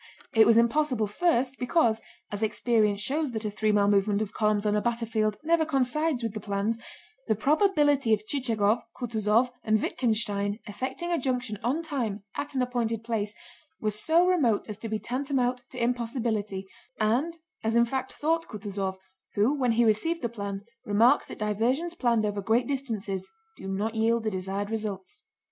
It was impossible first because—as experience shows that a three mile movement of columns on a battlefield never coincides with the plans—the probability of Chichagóv, Kutúzov, and Wittgenstein effecting a junction on time at an appointed place was so remote as to be tantamount to impossibility, as in fact thought Kutúzov, who when he received the plan remarked that diversions planned over great distances do not yield the desired results.